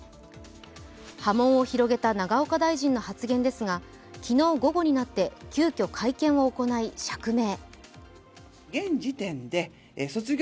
波紋を広げた永岡大臣の発言ですが昨日午後になって急きょ会見を行い、釈明。